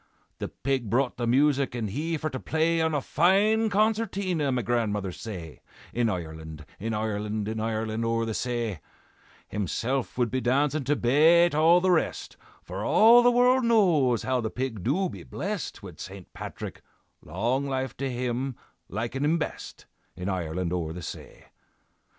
"'The pig brought the music, and he for to play On a fine concertina' (my grandmother say), 'In Ireland, in Ireland, In Ireland o'er the say, Himself would be dancin' to bate all the rest, For all the world knows how the pig do be blest Wid St. Patrick, long life to him, likin' him best, In Ireland o'er the say.